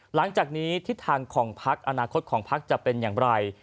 หลังจากนี้ทิศทางของพักอนาคตของพักจะเป็นอย่างไร